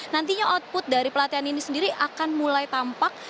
nantinya output dari pelatihan ini sendiri akan mulai tampak